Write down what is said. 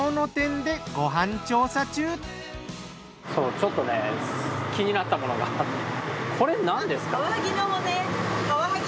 ちょっとね気になったものがこれなんですか？